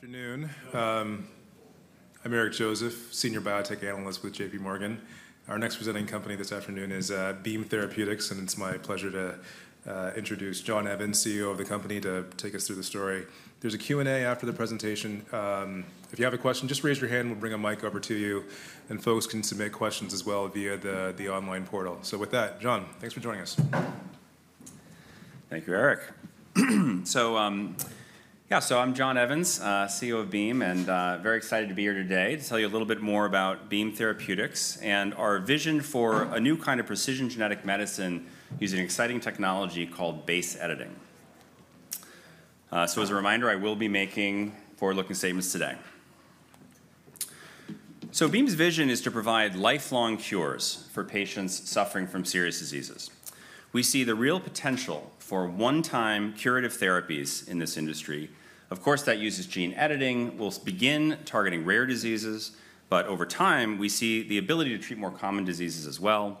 Afternoon. I'm Eric Joseph, Senior Biotech Analyst with J.P. Morgan. Our next presenting company this afternoon is Beam Therapeutics, and it's my pleasure to introduce John Evans, CEO of the company, to take us through the story. There's a Q&A after the presentation. If you have a question, just raise your hand. We'll bring a mic over to you, and folks can submit questions as well via the online portal. So with that, John, thanks for joining us. Thank you, Eric. Yeah, I'm John Evans, CEO of Beam, and very excited to be here today to tell you a little bit more about Beam Therapeutics and our vision for a new kind of precision genetic medicine using exciting technology called base editing. As a reminder, I will be making forward-looking statements today. Beam's vision is to provide lifelong cures for patients suffering from serious diseases. We see the real potential for one-time curative therapies in this industry. Of course, that uses gene editing. We'll begin targeting rare diseases, but over time, we see the ability to treat more common diseases as well.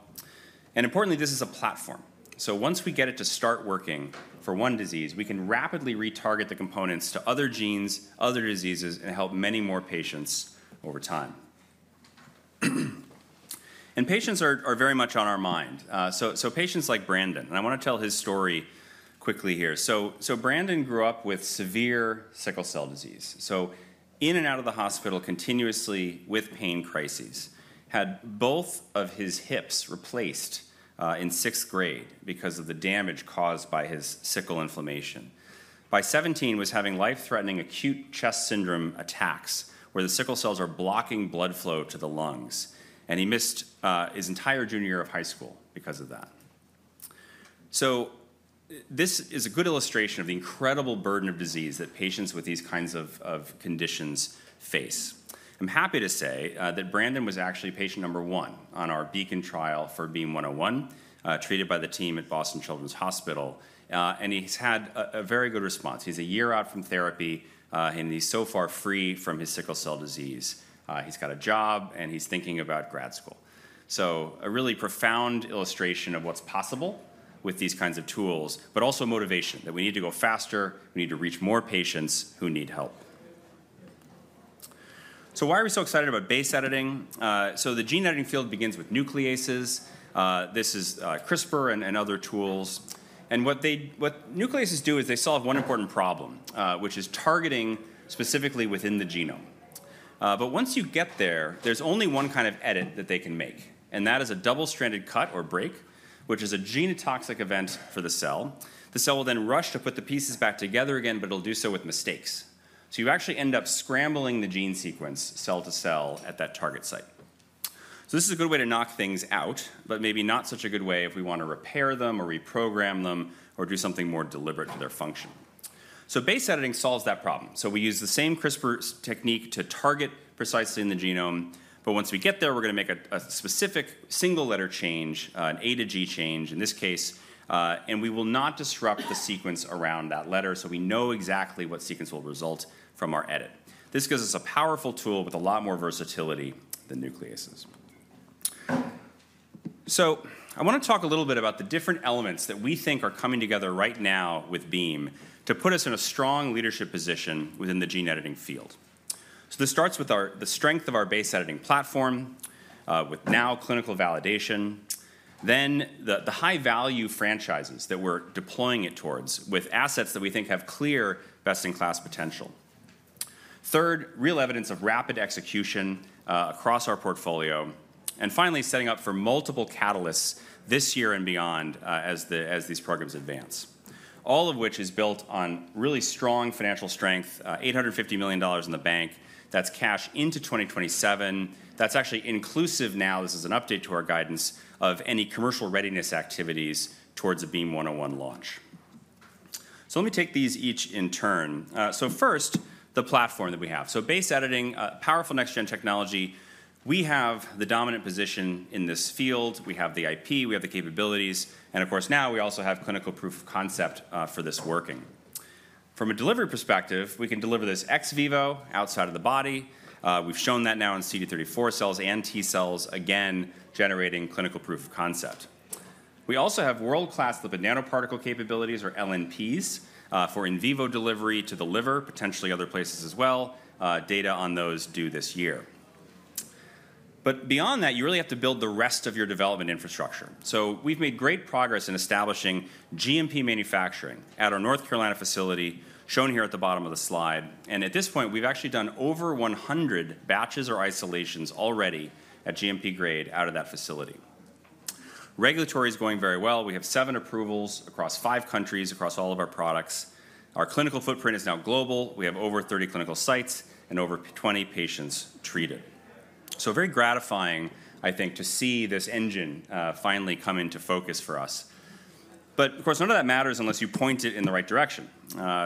Importantly, this is a platform. Once we get it to start working for one disease, we can rapidly retarget the components to other genes, other diseases, and help many more patients over time. And patients are very much on our mind. So patients like Brandon, and I want to tell his story quickly here. So Brandon grew up with severe sickle cell disease, so in and out of the hospital continuously with pain crises. Had both of his hips replaced in sixth grade because of the damage caused by his sickle inflammation. By 17, he was having life-threatening acute chest syndrome attacks where the sickle cells are blocking blood flow to the lungs. And he missed his entire junior year of high school because of that. So this is a good illustration of the incredible burden of disease that patients with these kinds of conditions face. I'm happy to say that Brandon was actually patient number one on our BEACON trial for BEAM-101, treated by the team at Boston Children's Hospital. And he's had a very good response. He's a year out from therapy, and he's so far free from his sickle cell disease. He's got a job, and he's thinking about grad school, so a really profound illustration of what's possible with these kinds of tools, but also motivation that we need to go faster. We need to reach more patients who need help, so why are we so excited about base editing, so the gene editing field begins with nucleases. This is CRISPR and other tools, and what nucleases do is they solve one important problem, which is targeting specifically within the genome. But once you get there, there's only one kind of edit that they can make, and that is a double-stranded cut or break, which is a genotoxic event for the cell. The cell will then rush to put the pieces back together again, but it'll do so with mistakes. You actually end up scrambling the gene sequence cell to cell at that target site. So this is a good way to knock things out, but maybe not such a good way if we want to repair them or reprogram them or do something more deliberate to their function. Base editing solves that problem. We use the same CRISPR technique to target precisely in the genome. But once we get there, we're going to make a specific single-letter change, an A to G change in this case, and we will not disrupt the sequence around that letter. We know exactly what sequence will result from our edit. This gives us a powerful tool with a lot more versatility than nucleases. So I want to talk a little bit about the different elements that we think are coming together right now with Beam to put us in a strong leadership position within the gene editing field. So this starts with the strength of our base editing platform with now clinical validation, then the high-value franchises that we're deploying it towards with assets that we think have clear best-in-class potential. Third, real evidence of rapid execution across our portfolio. And finally, setting up for multiple catalysts this year and beyond as these programs advance, all of which is built on really strong financial strength, $850 million in the bank. That's cash into 2027. That's actually inclusive now, this is an update to our guidance, of any commercial readiness activities towards a BEAM-101 launch. So let me take these each in turn. So first, the platform that we have. So base editing, powerful next-gen technology. We have the dominant position in this field. We have the IP. We have the capabilities. And of course, now we also have clinical proof of concept for this working. From a delivery perspective, we can deliver this ex vivo outside of the body. We've shown that now in CD34 cells and T cells, again, generating clinical proof of concept. We also have world-class lipid nanoparticle capabilities, or LNPs, for in vivo delivery to the liver, potentially other places as well. Data on those due this year. But beyond that, you really have to build the rest of your development infrastructure. So we've made great progress in establishing GMP manufacturing at our North Carolina facility, shown here at the bottom of the slide. And at this point, we've actually done over 100 batches or isolations already at GMP grade out of that facility. Regulatory is going very well. We have seven approvals across five countries, across all of our products. Our clinical footprint is now global. We have over 30 clinical sites and over 20 patients treated, so very gratifying, I think, to see this engine finally come into focus for us. But of course, none of that matters unless you point it in the right direction,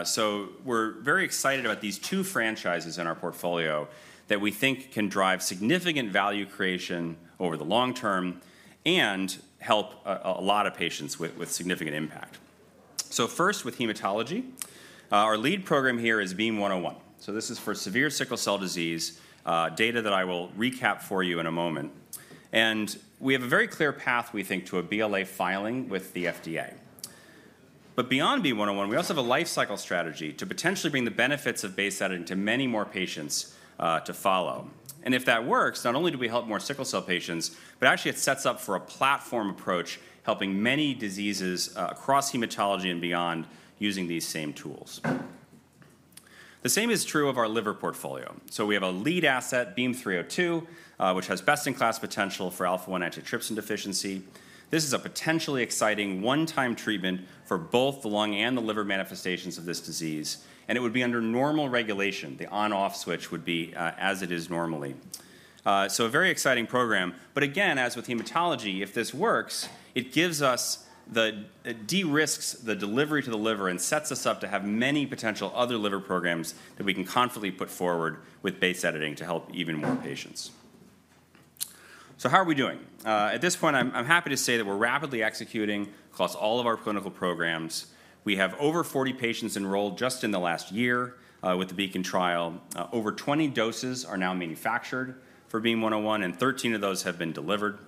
so we're very excited about these two franchises in our portfolio that we think can drive significant value creation over the long term and help a lot of patients with significant impact. So first, with hematology, our lead program here is BEAM-101, so this is for severe sickle cell disease, data that I will recap for you in a moment, and we have a very clear path, we think, to a BLA filing with the FDA. Beyond BEAM-101, we also have a lifecycle strategy to potentially bring the benefits of base editing to many more patients to follow. If that works, not only do we help more sickle cell patients, but actually it sets up for a platform approach helping many diseases across hematology and beyond using these same tools. The same is true of our liver portfolio. We have a lead asset, BEAM-302, which has best-in-class potential for Alpha-1 antitrypsin deficiency. This is a potentially exciting one-time treatment for both the lung and the liver manifestations of this disease. It would be under normal regulation. The on-off switch would be as it is normally. A very exciting program. But again, as with hematology, if this works, it gives us the de-risks the delivery to the liver and sets us up to have many potential other liver programs that we can confidently put forward with base editing to help even more patients. So how are we doing? At this point, I'm happy to say that we're rapidly executing across all of our clinical programs. We have over 40 patients enrolled just in the last year with the BEACON trial. Over 20 doses are now manufactured for BEAM-101, and 13 of those have been delivered.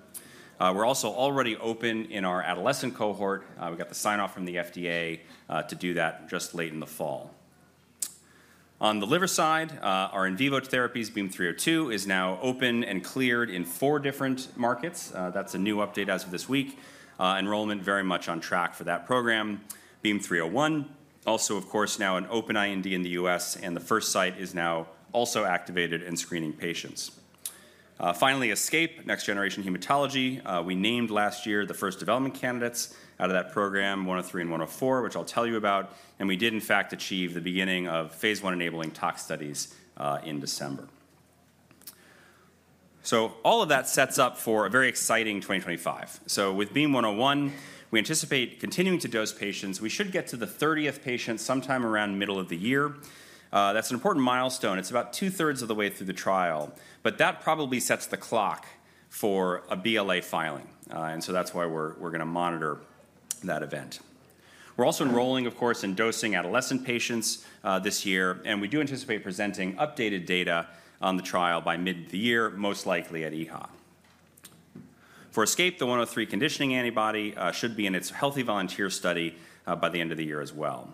We're also already open in our adolescent cohort. We got the sign-off from the FDA to do that just late in the fall. On the liver side, our in vivo therapies, BEAM-302, is now open and cleared in four different markets. That's a new update as of this week. Enrollment very much on track for that program. BEAM-301, also, of course, now an open IND in the U.S., and the first site is now also activated in screening patients. Finally, ESCAPE, next-generation hematology. We named last year the first development candidates out of that program, 103 and 104, which I'll tell you about. And we did, in fact, achieve the beginning of phase I enabling tox studies in December. So all of that sets up for a very exciting 2025. So with BEAM-101, we anticipate continuing to dose patients. We should get to the 30th patient sometime around middle of the year. That's an important milestone. It's about two-thirds of the way through the trial. But that probably sets the clock for a BLA filing. And so that's why we're going to monitor that event. We're also enrolling, of course, in dosing adolescent patients this year. We do anticipate presenting updated data on the trial by mid of the year, most likely at EHA. For ESCAPE, the BEAM-103 conditioning antibody should be in its healthy volunteer study by the end of the year as well.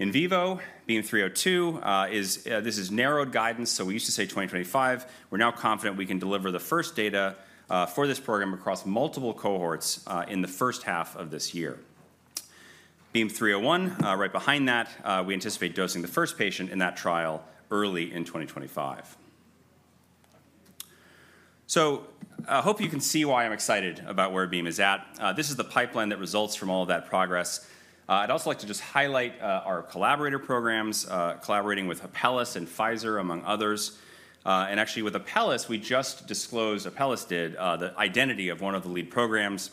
In vivo, BEAM-302, this is narrowed guidance. We used to say 2025. We're now confident we can deliver the first data for this program across multiple cohorts in the first half of this year. BEAM-301, right behind that, we anticipate dosing the first patient in that trial early in 2025. I hope you can see why I'm excited about where Beam is at. This is the pipeline that results from all of that progress. I'd also like to just highlight our collaborator programs, collaborating with Apellis and Pfizer, among others. Actually, with Apellis, we just disclosed. Apellis disclosed the identity of one of the lead programs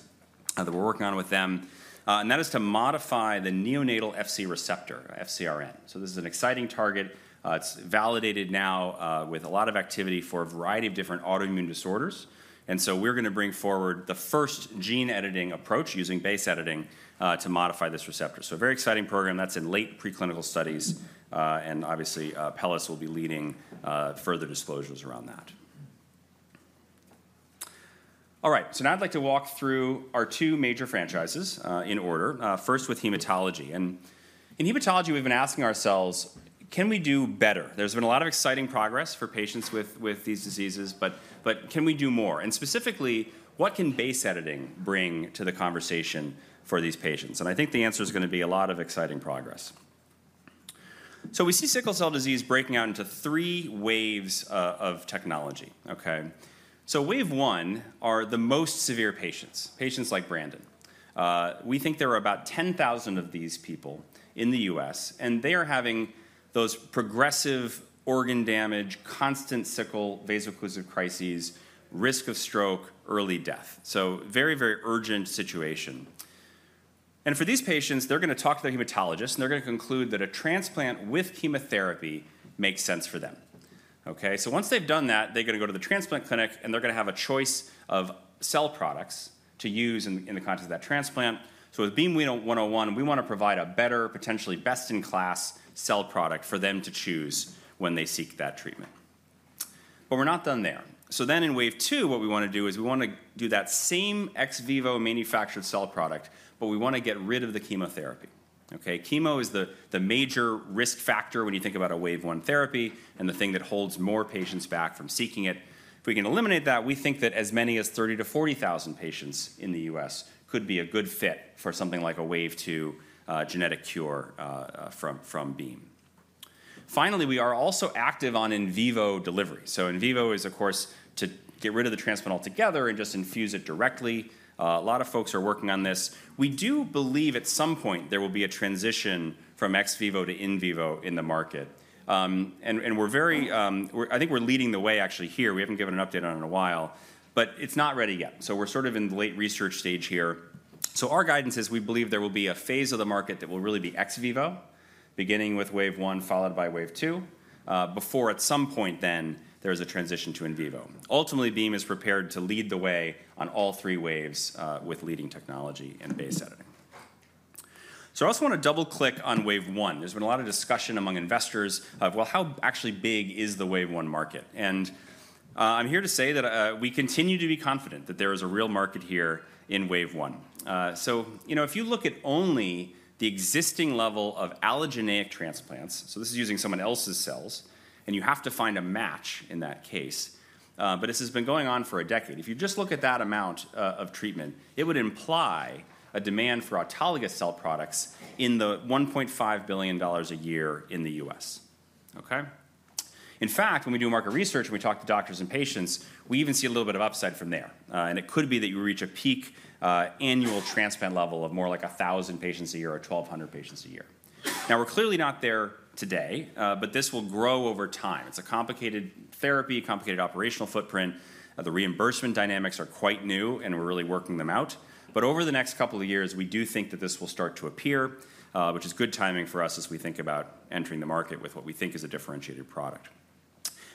that we're working on with them. And that is to modify the neonatal Fc receptor, FcRn. So this is an exciting target. It's validated now with a lot of activity for a variety of different autoimmune disorders. And so we're going to bring forward the first gene editing approach using base editing to modify this receptor. So a very exciting program. That's in late preclinical studies. And obviously, Apellis will be leading further disclosures around that. All right. So now I'd like to walk through our two major franchises in order, first with hematology. And in hematology, we've been asking ourselves, can we do better? There's been a lot of exciting progress for patients with these diseases, but can we do more? Specifically, what can base editing bring to the conversation for these patients? And I think the answer is going to be a lot of exciting progress. So we see sickle cell disease breaking out into three waves of technology. Okay? So wave one are the most severe patients, patients like Brandon. We think there are about 10,000 of these people in the U.S., and they are having those progressive organ damage, constant sickle vaso-occlusive crises, risk of stroke, early death. So very, very urgent situation. And for these patients, they're going to talk to their hematologist, and they're going to conclude that a transplant with chemotherapy makes sense for them. Okay? So once they've done that, they're going to go to the transplant clinic, and they're going to have a choice of cell products to use in the context of that transplant. With BEAM-101, we want to provide a better, potentially best-in-class cell product for them to choose when they seek that treatment. But we're not done there. So then in wave two, what we want to do is we want to do that same ex vivo manufactured cell product, but we want to get rid of the chemotherapy. Okay? Chemo is the major risk factor when you think about a wave one therapy and the thing that holds more patients back from seeking it. If we can eliminate that, we think that as many as 30,000-40,000 patients in the U.S. could be a good fit for something like a wave two genetic cure from Beam. Finally, we are also active on in vivo delivery. So in vivo is, of course, to get rid of the transplant altogether and just infuse it directly. A lot of folks are working on this. We do believe at some point there will be a transition from ex vivo to in vivo in the market, and we're very, I think we're leading the way actually here. We haven't given an update on it in a while, but it's not ready yet, so we're sort of in the late research stage here, so our guidance is we believe there will be a phase of the market that will really be ex vivo, beginning with wave one, followed by wave two, before at some point then there is a transition to in vivo. Ultimately, Beam is prepared to lead the way on all three waves with leading technology and base editing, so I also want to double-click on wave one. There's been a lot of discussion among investors of, well, how actually big is the wave one market? I'm here to say that we continue to be confident that there is a real market here in wave one. If you look at only the existing level of allogeneic transplants, so this is using someone else's cells, and you have to find a match in that case. This has been going on for a decade. If you just look at that amount of treatment, it would imply a demand for autologous cell products in the $1.5 billion a year in the U.S. Okay? In fact, when we do market research and we talk to doctors and patients, we even see a little bit of upside from there. It could be that you reach a peak annual transplant level of more like 1,000 patients a year or 1,200 patients a year. Now, we're clearly not there today, but this will grow over time. It's a complicated therapy, complicated operational footprint. The reimbursement dynamics are quite new, and we're really working them out, but over the next couple of years, we do think that this will start to appear, which is good timing for us as we think about entering the market with what we think is a differentiated product.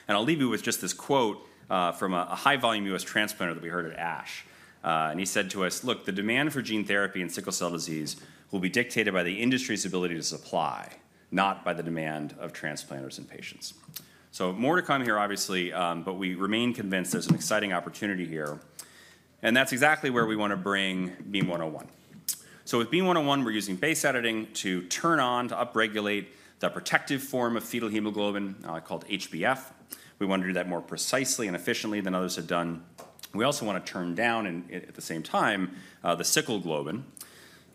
And I'll leave you with just this quote from a high-volume U.S. transplanter that we heard at ASH, and he said to us, "Look, the demand for gene therapy in sickle cell disease will be dictated by the industry's ability to supply, not by the demand of transplanters and patients," so more to come here, obviously, but we remain convinced there's an exciting opportunity here, and that's exactly where we want to bring BEAM-101. So with BEAM-101, we're using base editing to turn on, to upregulate the protective form of fetal hemoglobin called HbF. We want to do that more precisely and efficiently than others have done. We also want to turn down, at the same time, the sickle globin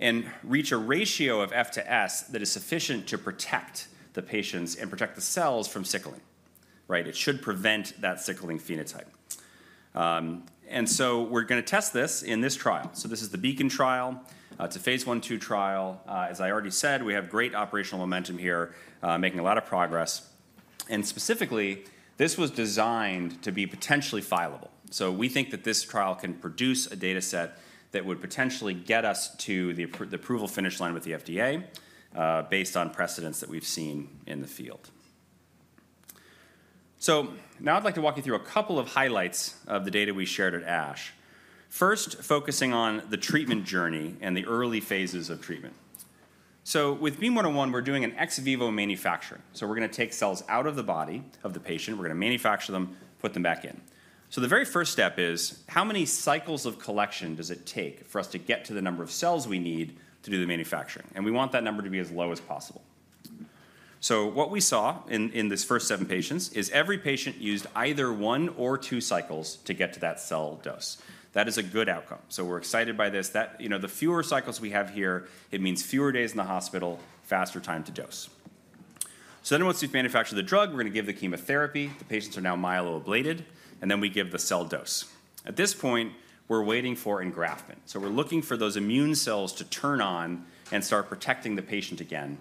and reach a ratio of F to S that is sufficient to protect the patients and protect the cells from sickling, right? It should prevent that sickling phenotype. And so we're going to test this in this trial. So this is the BEACON trial. It's a phase I/II trial. As I already said, we have great operational momentum here, making a lot of progress. And specifically, this was designed to be potentially filable. So we think that this trial can produce a data set that would potentially get us to the approval finish line with the FDA based on precedents that we've seen in the field. So now I'd like to walk you through a couple of highlights of the data we shared at ASH. First, focusing on the treatment journey and the early phases of treatment. So with BEAM-101, we're doing an ex vivo manufacturing. So we're going to take cells out of the body of the patient. We're going to manufacture them, put them back in. So the very first step is, how many cycles of collection does it take for us to get to the number of cells we need to do the manufacturing? And we want that number to be as low as possible. So what we saw in these first seven patients is every patient used either one or two cycles to get to that cell dose. That is a good outcome. So we're excited by this. The fewer cycles we have here, it means fewer days in the hospital, faster time to dose. So then once we've manufactured the drug, we're going to give the chemotherapy. The patients are now myeloablated, and then we give the cell dose. At this point, we're waiting for engraftment. So we're looking for those immune cells to turn on and start protecting the patient again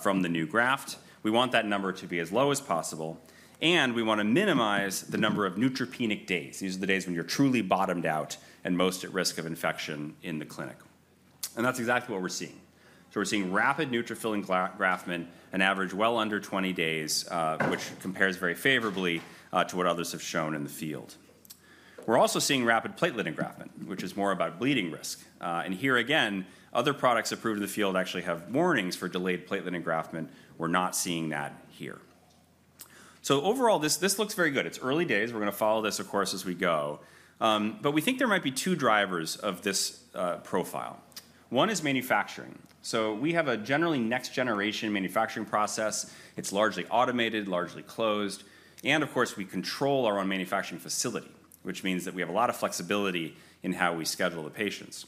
from the new graft. We want that number to be as low as possible, and we want to minimize the number of neutropenic days. These are the days when you're truly bottomed out and most at risk of infection in the clinic, and that's exactly what we're seeing. So we're seeing rapid neutrophil engraftment and average well under 20 days, which compares very favorably to what others have shown in the field. We're also seeing rapid platelet engraftment, which is more about bleeding risk. And here again, other products approved in the field actually have warnings for delayed platelet engraftment. We're not seeing that here. So overall, this looks very good. It's early days. We're going to follow this, of course, as we go. But we think there might be two drivers of this profile. One is manufacturing. So we have a generally next-generation manufacturing process. It's largely automated, largely closed. And of course, we control our own manufacturing facility, which means that we have a lot of flexibility in how we schedule the patients.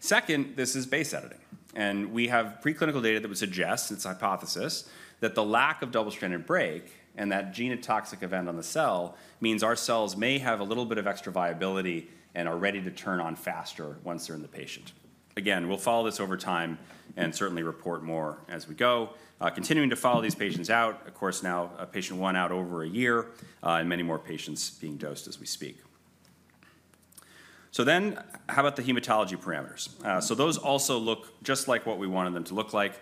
Second, this is base editing. And we have preclinical data that would suggest, and it's a hypothesis, that the lack of double-stranded break and that genotoxic event on the cell means our cells may have a little bit of extra viability and are ready to turn on faster once they're in the patient. Again, we'll follow this over time and certainly report more as we go. Continuing to follow these patients out, of course, now patient one out over a year and many more patients being dosed as we speak. So then how about the hematology parameters? So those also look just like what we wanted them to look like.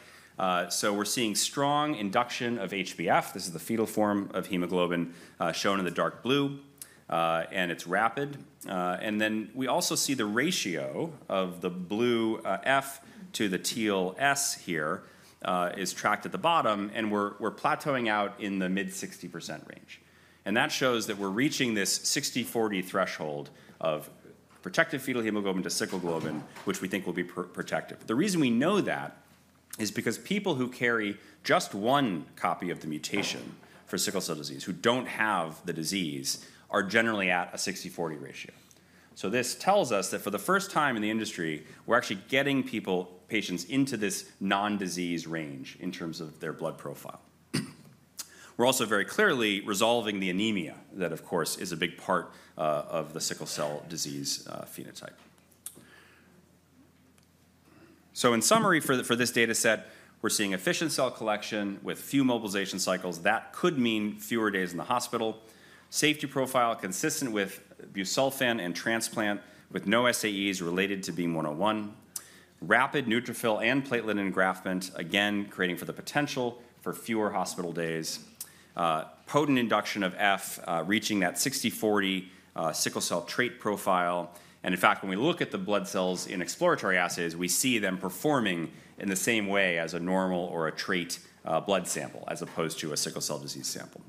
So we're seeing strong induction of HbF. This is the fetal form of hemoglobin shown in the dark blue, and it's rapid. We also see the ratio of the blue F to the teal S here is tracked at the bottom, and we're plateauing out in the mid 60% range. That shows that we're reaching this 60/40 threshold of protective fetal hemoglobin to sickle globin, which we think will be protective. The reason we know that is because people who carry just one copy of the mutation for sickle cell disease, who don't have the disease, are generally at a 60/40 ratio. This tells us that for the first time in the industry, we're actually getting patients into this non-disease range in terms of their blood profile. We're also very clearly resolving the anemia that, of course, is a big part of the sickle cell disease phenotype. In summary, for this data set, we're seeing efficient cell collection with few mobilization cycles. That could mean fewer days in the hospital. Safety profile consistent with busulfan and transplant with no SAEs related to BEAM-101. Rapid neutrophil and platelet engraftment, again, creating for the potential for fewer hospital days. Potent induction of HbF reaching that 60/40 sickle cell trait profile. And in fact, when we look at the blood cells in exploratory assays, we see them performing in the same way as a normal or a trait blood sample as opposed to a sickle cell disease sample.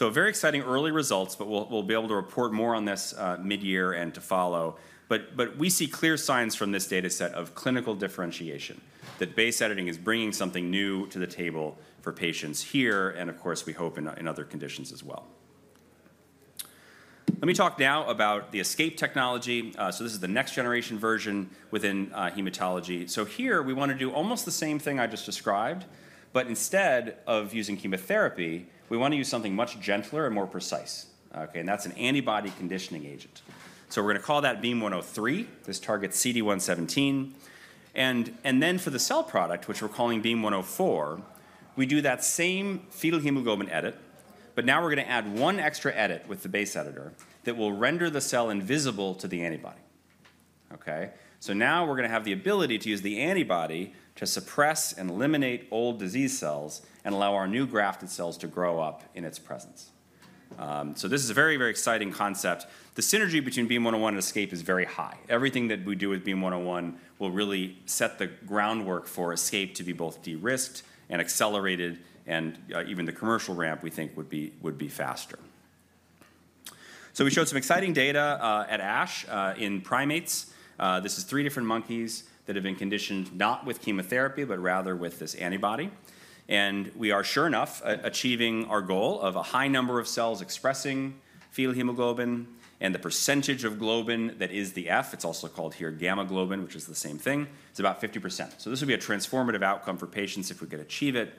So very exciting early results, but we'll be able to report more on this mid-year and to follow. But we see clear signs from this data set of clinical differentiation that base editing is bringing something new to the table for patients here, and of course, we hope in other conditions as well. Let me talk now about the ESCAPE technology. This is the next-generation version within hematology. So here we want to do almost the same thing I just described, but instead of using chemotherapy, we want to use something much gentler and more precise. Okay? And that's an antibody conditioning agent. So we're going to call that BEAM-103. This targets CD117. And then for the cell product, which we're calling BEAM-104, we do that same fetal hemoglobin edit, but now we're going to add one extra edit with the base editor that will render the cell invisible to the antibody. Okay? So now we're going to have the ability to use the antibody to suppress and eliminate old disease cells and allow our new grafted cells to grow up in its presence. So this is a very, very exciting concept. The synergy between BEAM-101 and ESCAPE is very high. Everything that we do with BEAM-101 will really set the groundwork for ESCAPE to be both de-risked and accelerated, and even the commercial ramp we think would be faster. So we showed some exciting data at ASH in primates. This is three different monkeys that have been conditioned not with chemotherapy, but rather with this antibody. And we are, sure enough, achieving our goal of a high number of cells expressing fetal hemoglobin and the percentage of globin that is the F. It's also called here gamma globin, which is the same thing. It's about 50%. So this would be a transformative outcome for patients if we could achieve it.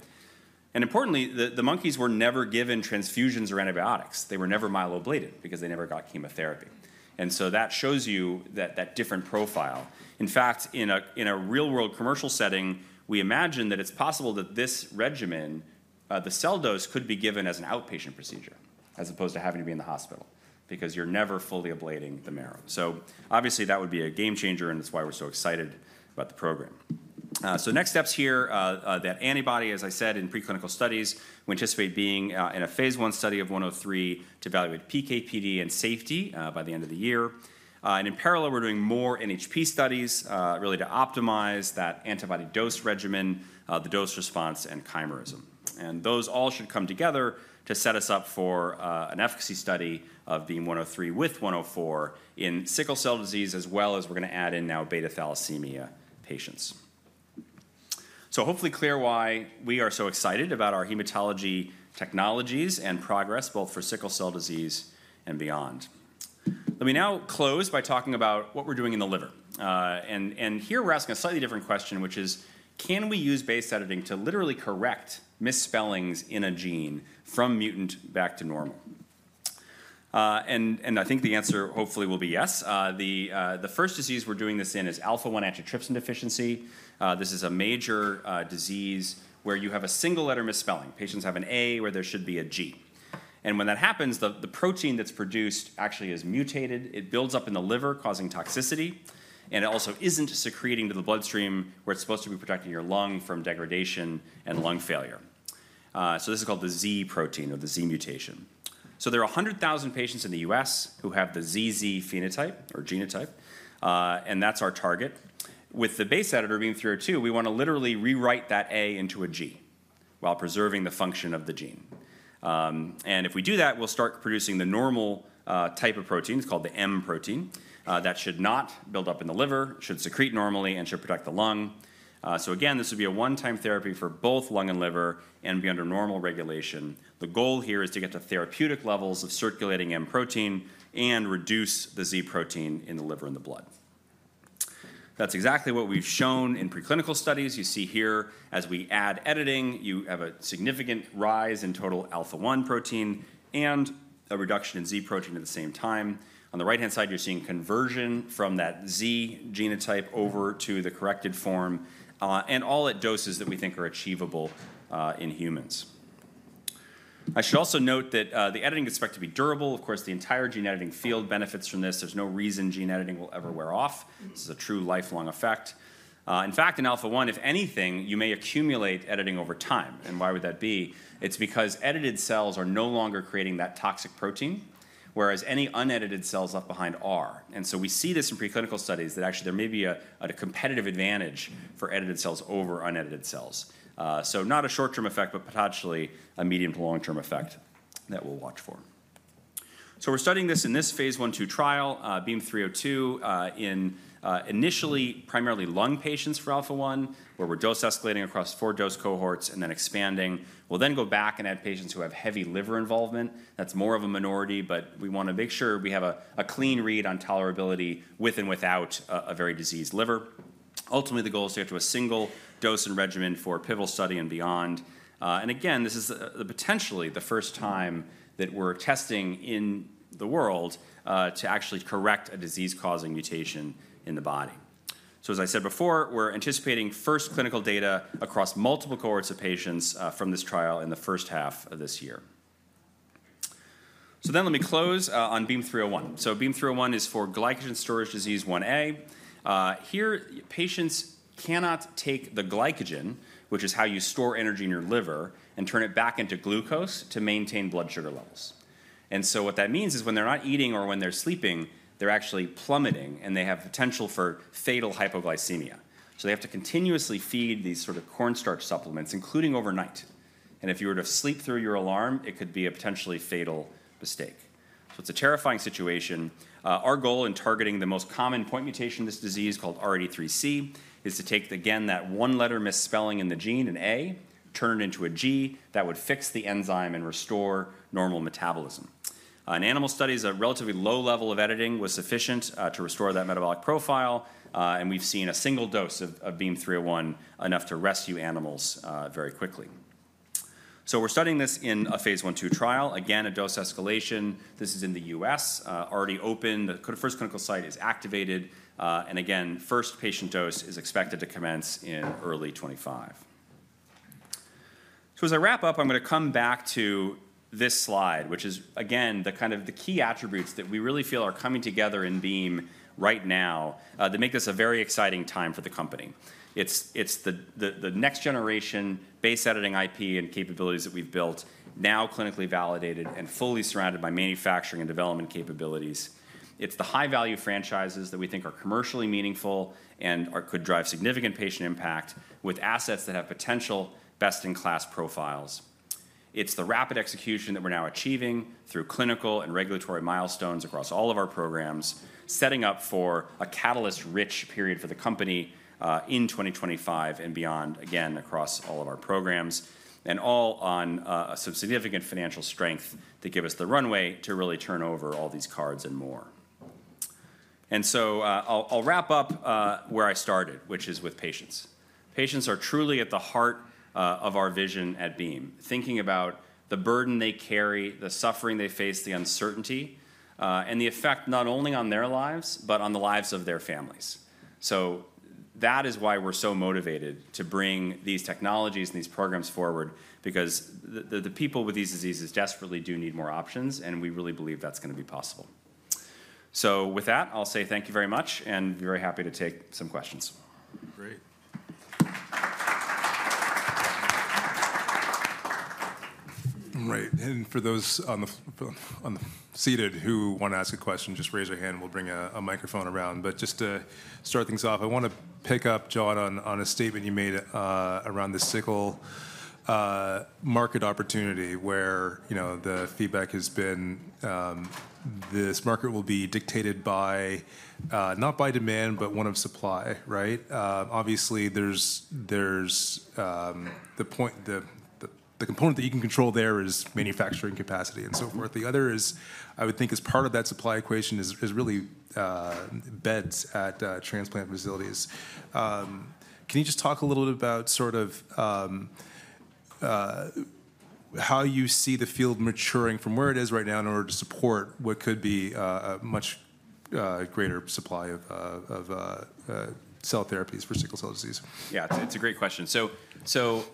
And importantly, the monkeys were never given transfusions or antibiotics. They were never myeloablated because they never got chemotherapy. And so that shows you that different profile. In fact, in a real-world commercial setting, we imagine that it's possible that this regimen, the cell dose, could be given as an outpatient procedure as opposed to having to be in the hospital because you're never fully ablating the marrow. So obviously, that would be a game changer, and that's why we're so excited about the program. So next steps here, that antibody, as I said, in preclinical studies, we anticipate being in a phase I study of BEAM-103 to evaluate PK/PD and safety by the end of the year. And in parallel, we're doing more NHP studies really to optimize that antibody dose regimen, the dose response, and chimerism. And those all should come together to set us up for an efficacy study of BEAM-103 with BEAM-104 in sickle cell disease, as well as we're going to add in now beta thalassemia patients. So hopefully clear why we are so excited about our hematology technologies and progress both for sickle cell disease and beyond. Let me now close by talking about what we're doing in the liver. And here we're asking a slightly different question, which is, can we use base editing to literally correct misspellings in a gene from mutant back to normal? And I think the answer hopefully will be yes. The first disease we're doing this in is Alpha-1 antitrypsin deficiency. This is a major disease where you have a single-letter misspelling. Patients have an A where there should be a G. And when that happens, the protein that's produced actually is mutated. It builds up in the liver, causing toxicity, and it also isn't secreting to the bloodstream where it's supposed to be protecting your lung from degradation and lung failure. So this is called the Z protein or the Z mutation. So there are 100,000 patients in the U.S. who have the ZZ phenotype or genotype, and that's our target. With the base editor BEAM-302, we want to literally rewrite that A into a G while preserving the function of the gene. And if we do that, we'll start producing the normal type of protein. It's called the M protein. That should not build up in the liver, should secrete normally, and should protect the lung. So again, this would be a one-time therapy for both lung and liver and be under normal regulation. The goal here is to get to therapeutic levels of circulating M protein and reduce the Z protein in the liver and the blood. That's exactly what we've shown in preclinical studies. You see here, as we add editing, you have a significant rise in total Alpha-1 protein and a reduction in Z protein at the same time. On the right-hand side, you're seeing conversion from that Z genotype over to the corrected form and all at doses that we think are achievable in humans. I should also note that the editing is expected to be durable. Of course, the entire gene editing field benefits from this. There's no reason gene editing will ever wear off. This is a true lifelong effect. In fact, in Alpha-1, if anything, you may accumulate editing over time. And why would that be? It's because edited cells are no longer creating that toxic protein, whereas any unedited cells left behind are. And so we see this in preclinical studies that actually there may be a competitive advantage for edited cells over unedited cells. Not a short-term effect, but potentially a medium to long-term effect that we'll watch for. We're studying this in this phase I/II trial, BEAM-302, in initially primarily lung patients for Alpha-1, where we're dose escalating across four dose cohorts and then expanding. We'll then go back and add patients who have heavy liver involvement. That's more of a minority, but we want to make sure we have a clean read on tolerability with and without a very diseased liver. Ultimately, the goal is to get to a single dose and regimen for pivotal study and beyond. And again, this is potentially the first time that we're testing in the world to actually correct a disease-causing mutation in the body. As I said before, we're anticipating first clinical data across multiple cohorts of patients from this trial in the first half of this year. So then let me close on BEAM-301. So BEAM-301 is for glycogen storage disease 1A. Here, patients cannot take the glycogen, which is how you store energy in your liver, and turn it back into glucose to maintain blood sugar levels. And so what that means is when they're not eating or when they're sleeping, they're actually plummeting, and they have potential for fatal hypoglycemia. So they have to continuously feed these sort of cornstarch supplements, including overnight. And if you were to sleep through your alarm, it could be a potentially fatal mistake. So it's a terrifying situation. Our goal in targeting the most common point mutation of this disease called R83C is to take, again, that one-letter misspelling in the gene, an A, turn it into a G that would fix the enzyme and restore normal metabolism. In animal studies, a relatively low level of editing was sufficient to restore that metabolic profile, and we've seen a single dose of BEAM-301 enough to rescue animals very quickly, so we're studying this in a phase I/II trial. Again, a dose escalation. This is in the U.S. Already opened. The first clinical site is activated, and again, first patient dose is expected to commence in early 2025. As I wrap up, I'm going to come back to this slide, which is, again, the kind of key attributes that we really feel are coming together in Beam right now that make this a very exciting time for the company. It's the next-generation base editing IP and capabilities that we've built, now clinically validated and fully surrounded by manufacturing and development capabilities. It's the high-value franchises that we think are commercially meaningful and could drive significant patient impact with assets that have potential best-in-class profiles. It's the rapid execution that we're now achieving through clinical and regulatory milestones across all of our programs, setting up for a catalyst-rich period for the company in 2025 and beyond, again, across all of our programs, and all on a significant financial strength to give us the runway to really turn over all these cards and more. And so I'll wrap up where I started, which is with patients. Patients are truly at the heart of our vision at Beam, thinking about the burden they carry, the suffering they face, the uncertainty, and the effect not only on their lives, but on the lives of their families. So that is why we're so motivated to bring these technologies and these programs forward, because the people with these diseases desperately do need more options, and we really believe that's going to be possible. So with that, I'll say thank you very much, and we're very happy to take some questions. Great. All right. And for those in the seats who want to ask a question, just raise your hand. We'll bring a microphone around. But just to start things off, I want to pick up, John, on a statement you made around the sickle market opportunity where the feedback has been this market will be dictated not by demand, but by supply, right? Obviously, there's the component that you can control. There is manufacturing capacity and so forth. The other is, I would think, as part of that supply equation is really beds at transplant facilities. Can you just talk a little bit about sort of how you see the field maturing from where it is right now in order to support what could be a much greater supply of cell therapies for sickle cell disease? Yeah, it's a great question. So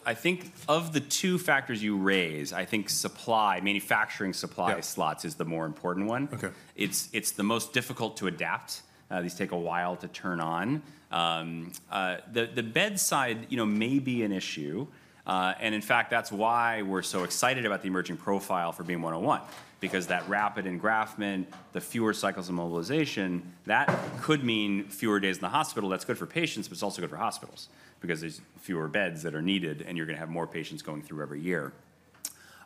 I think of the two factors you raise, I think supply, manufacturing supply slots is the more important one. It's the most difficult to adapt. These take a while to turn on. The bed side may be an issue. And in fact, that's why we're so excited about the emerging profile for BEAM-101, because that rapid engraftment, the fewer cycles of mobilization, that could mean fewer days in the hospital. That's good for patients, but it's also good for hospitals because there's fewer beds that are needed, and you're going to have more patients going through every year.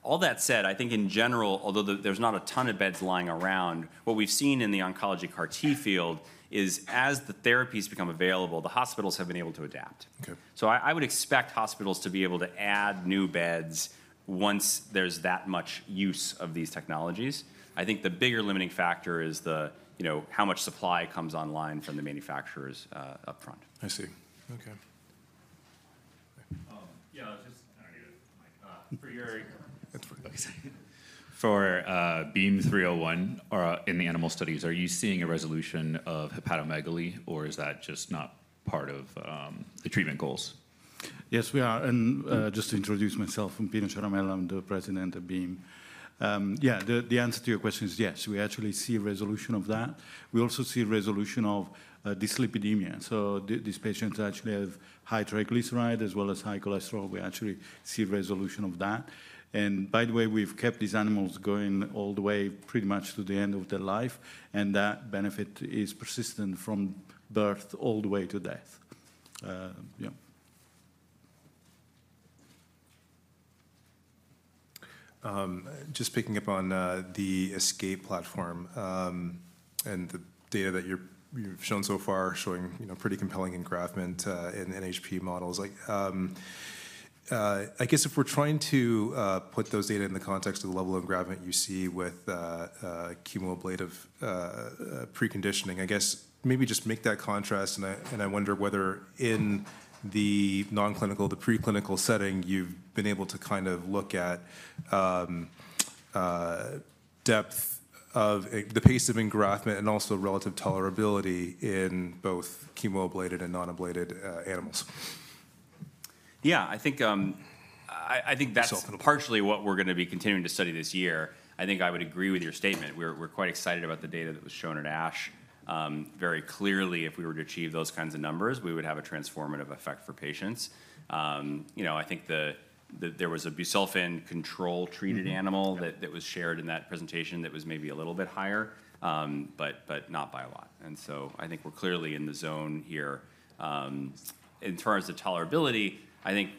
All that said, I think in general, although there's not a ton of beds lying around, what we've seen in the oncology CAR T field is as the therapies become available, the hospitals have been able to adapt. I would expect hospitals to be able to add new beds once there's that much use of these technologies. I think the bigger limiting factor is how much supply comes online from the manufacturers upfront. I see. Okay. Yeah, just for your. That's for you. For BEAM-301 in the animal studies, are you seeing a resolution of hepatomegaly, or is that just not part of the treatment goals? Yes, we are. And just to introduce myself, I'm Pino Ciaramella. I'm the President of Beam. Yeah, the answer to your question is yes. We actually see a resolution of that. We also see a resolution of dyslipidemia. So these patients actually have high triglyceride as well as high cholesterol. We actually see a resolution of that. And by the way, we've kept these animals going all the way pretty much to the end of their life, and that benefit is persistent from birth all the way to death. Yeah. Just picking up on the ESCAPE platform and the data that you've shown so far showing pretty compelling engraftment in NHP models. I guess if we're trying to put those data in the context of the level of engraftment you see with chemoablative preconditioning, I guess maybe just make that contrast, and I wonder whether in the non-clinical, the preclinical setting, you've been able to kind of look at depth of the pace of engraftment and also relative tolerability in both chemoablated and non-ablated animals. Yeah, I think that's partially what we're going to be continuing to study this year. I think I would agree with your statement. We're quite excited about the data that was shown at ASH. Very clearly, if we were to achieve those kinds of numbers, we would have a transformative effect for patients. I think there was a busulfan control treated animal that was shared in that presentation that was maybe a little bit higher, but not by a lot. And so I think we're clearly in the zone here. In terms of tolerability, I think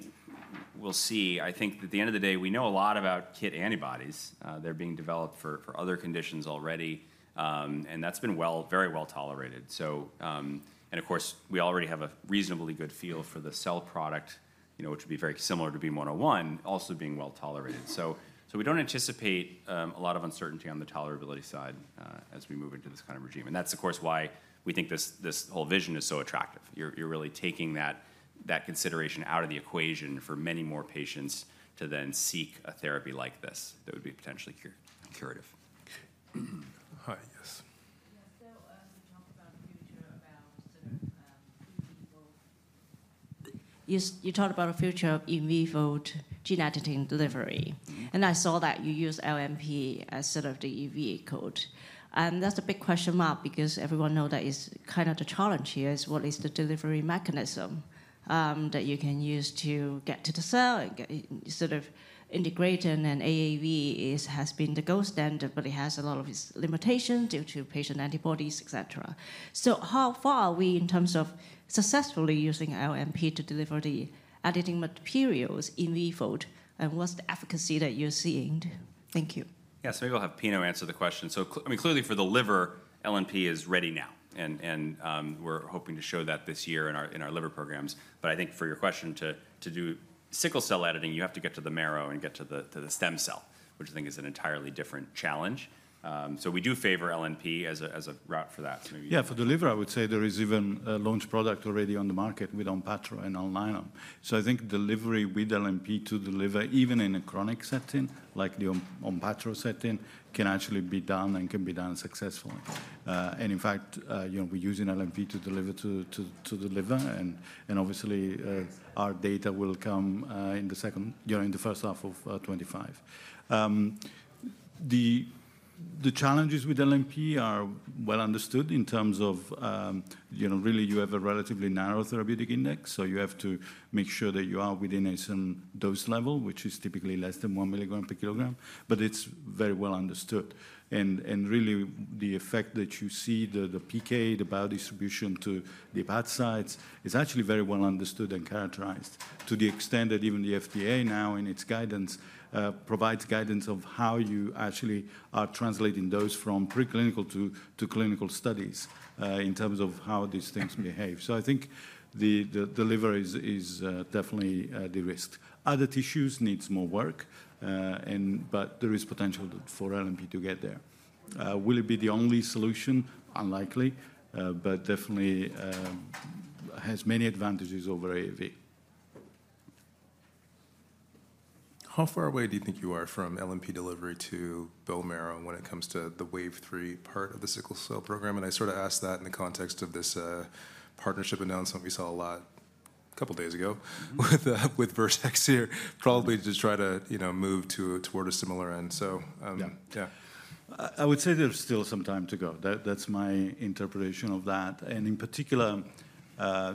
we'll see. I think at the end of the day, we know a lot about Kit antibodies. They're being developed for other conditions already, and that's been very well tolerated. Of course, we already have a reasonably good feel for the cell product, which would be very similar to BEAM-101, also being well tolerated. So we don't anticipate a lot of uncertainty on the tolerability side as we move into this kind of regimen. That's, of course, why we think this whole vision is so attractive. You're really taking that consideration out of the equation for many more patients to then seek a therapy like this that would be potentially curative. Hi, yes. Yes, so you talked about a future about in vivo? You talked about a future of in vivo gene editing delivery. I saw that you used LNP as sort of the delivery vehicle. That's a big question mark because everyone knows that is kind of the challenge here is what is the delivery mechanism that you can use to get to the cell and sort of integrate. An AAV has been the gold standard, but it has a lot of limitations due to patient antibodies, et cetera. So how far are we in terms of successfully using LNP to deliver the editing materials in vivo? What's the efficacy that you're seeing? Thank you. Yeah, so maybe I'll have Pino answer the question. So I mean, clearly for the liver, LNP is ready now. And we're hoping to show that this year in our liver programs. But I think for your question to do sickle cell editing, you have to get to the marrow and get to the stem cell, which I think is an entirely different challenge. So we do favor LNP as a route for that. Yeah, for delivery, I would say there is even a launch product already on the market with Ompatro and Alnylam. So I think delivery with LNP to deliver, even in a chronic setting like the Ompatro setting, can actually be done and can be done successfully. And in fact, we're using LNP to deliver. And obviously, our data will come in the first half of 2025. The challenges with LNP are well understood in terms of really you have a relatively narrow therapeutic index. So you have to make sure that you are within a certain dose level, which is typically less than one milligram per kilogram. But it's very well understood. And really, the effect that you see, the PK, the biodistribution to the hepatocytes, is actually very well understood and characterized to the extent that even the FDA now in its guidance provides guidance of how you actually are translating those from preclinical to clinical studies in terms of how these things behave. So I think the liver is definitely de-risked. Other tissues need more work, but there is potential for LNP to get there. Will it be the only solution? Unlikely, but definitely has many advantages over AAV. How far away do you think you are from LNP delivery to bone marrow when it comes to the wave three part of the sickle cell program? And I sort of asked that in the context of this partnership announcement we saw a lot, a couple of days ago with Vertex here, probably to try to move toward a similar end. So yeah. I would say there's still some time to go. That's my interpretation of that. And in particular,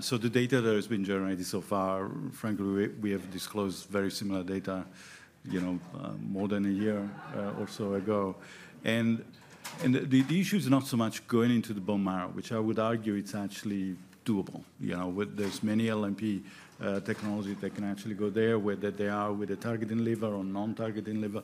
so the data that has been generated so far, frankly, we have disclosed very similar data more than a year or so ago. And the issue is not so much going into the bone marrow, which I would argue it's actually doable. There's many LNP technologies that can actually go there whether they are with a target in liver or non-target in liver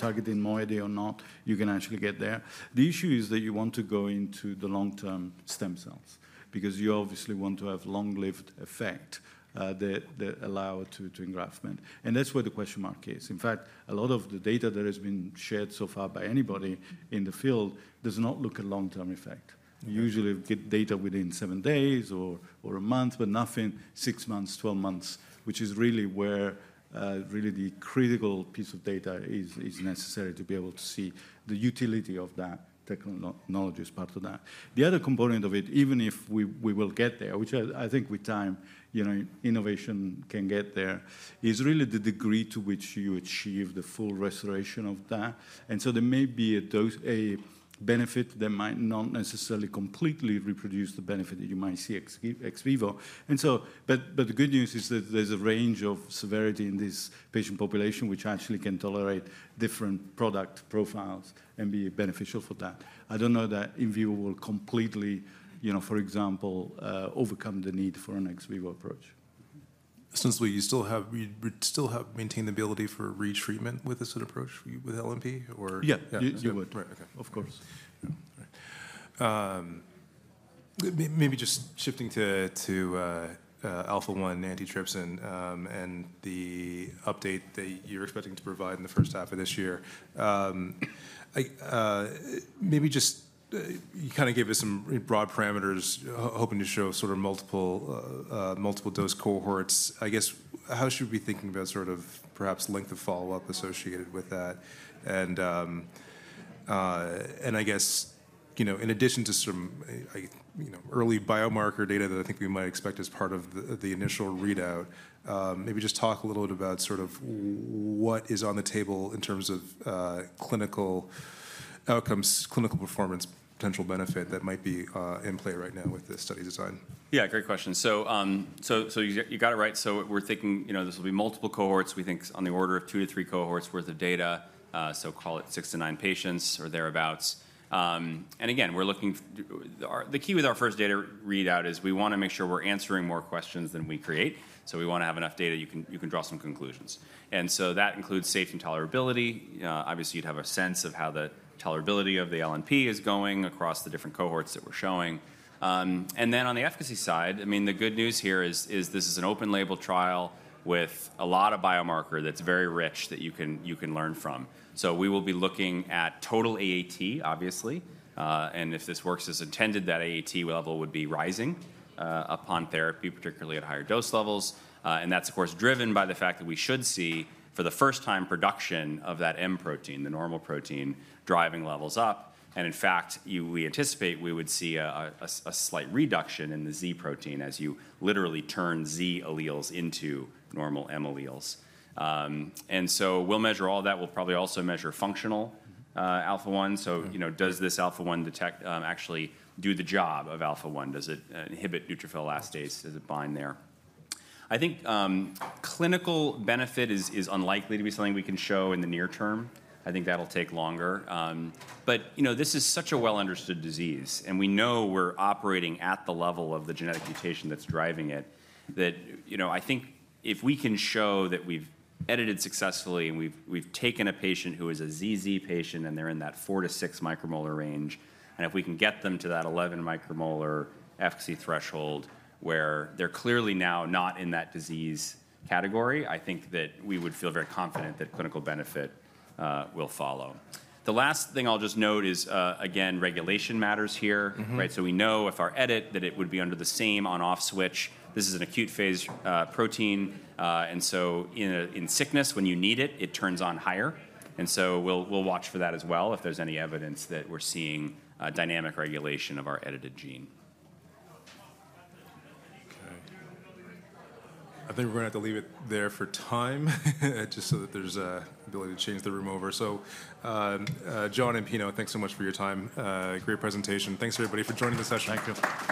targeting moiety or not, you can actually get there. The issue is that you want to go into the long-term stem cells because you obviously want to have long-lived effect that allow to engraftment. And that's where the question mark is. In fact, a lot of the data that has been shared so far by anybody in the field does not look at long-term effect. Usually, you get data within seven days or a month, but nothing six months, twelve months, which is really where the critical piece of data is necessary to be able to see the utility of that technology as part of that. The other component of it, even if we will get there, which I think with time innovation can get there, is really the degree to which you achieve the full restoration of that. And so there may be a benefit that might not necessarily completely reproduce the benefit that you might see ex vivo. But the good news is that there's a range of severity in this patient population, which actually can tolerate different product profiles and be beneficial for that. I don't know that in vivo will completely, for example, overcome the need for an ex vivo approach. Since we still have maintained the ability for retreatment with this approach with LNP, or? Yeah, you would. Right. Of course. Maybe just shifting to Alpha-1 antitrypsin and the update that you're expecting to provide in the first half of this year. Maybe just you kind of gave us some broad parameters hoping to show sort of multiple dose cohorts. I guess how should we be thinking about sort of perhaps length of follow-up associated with that? And I guess in addition to some early biomarker data that I think we might expect as part of the initial readout, maybe just talk a little bit about sort of what is on the table in terms of clinical outcomes, clinical performance, potential benefit that might be in play right now with this study design. Yeah, great question. So you got it right. So we're thinking this will be multiple cohorts. We think on the order of two to three cohorts worth of data, so call it six to nine patients or thereabouts. And again, we're looking the key with our first data readout is we want to make sure we're answering more questions than we create. So we want to have enough data you can draw some conclusions. And so that includes safety and tolerability. Obviously, you'd have a sense of how the tolerability of the LNP is going across the different cohorts that we're showing. And then on the efficacy side, I mean, the good news here is this is an open-label trial with a lot of biomarker that's very rich that you can learn from. So we will be looking at total AAT, obviously. If this works as intended, that AAT level would be rising upon therapy, particularly at higher dose levels. That's, of course, driven by the fact that we should see for the first time production of that M protein, the normal protein, driving levels up. In fact, we anticipate we would see a slight reduction in the Z protein as you literally turn Z alleles into normal M alleles. We'll measure all that. We'll probably also measure functional Alpha-1. Does this Alpha-1 we detect actually do the job of Alpha-1? Does it inhibit neutrophil elastase? Does it bind there? I think clinical benefit is unlikely to be something we can show in the near term. I think that'll take longer. This is such a well-understood disease. We know we're operating at the level of the genetic mutation that's driving it that I think if we can show that we've edited successfully and we've taken a patient who is a ZZ patient and they're in that four to six micromolar range, and if we can get them to that 11 micromolar efficacy threshold where they're clearly now not in that disease category, I think that we would feel very confident that clinical benefit will follow. The last thing I'll just note is, again, regulation matters here. So we know if our edit that it would be under the same on-off switch. This is an acute phase protein. And so in sickness, when you need it, it turns on higher. And so we'll watch for that as well if there's any evidence that we're seeing dynamic regulation of our edited gene. Okay. I think we're going to have to leave it there for time just so that there's ability to change the room over. So John and Pino, thanks so much for your time. Great presentation. Thanks, everybody, for joining the session. Thank you.